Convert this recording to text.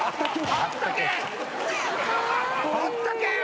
あったけえ！